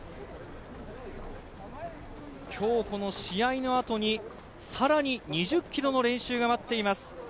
今日、この試合の後に更に２０ｋｍの練習が待っています。